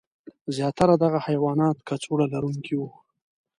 زیاتره دغه حیوانات کڅوړه لرونکي وو.